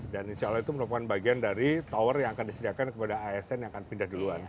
dan insya allah itu merupakan bagian dari tower yang akan disediakan kepada asn yang akan pindah duluan